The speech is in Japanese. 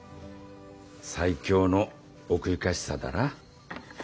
最強の奥ゆかしさだら？